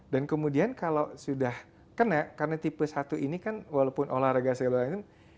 dan kemudian kalau sudah kena karena tipe satu ini kan walaupun olahraga sekeluarga itu